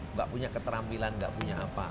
nggak punya keterampilan nggak punya apa